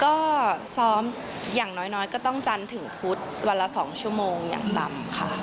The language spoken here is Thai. ก็ซ้อมอย่างน้อยก็ต้องจันทร์ถึงพุธวันละ๒ชั่วโมงอย่างต่ำค่ะ